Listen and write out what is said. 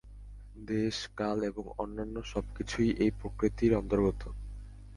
দেশ, কাল এবং অন্যান্য সব-কিছুই এই প্রকৃতির অন্তর্গত।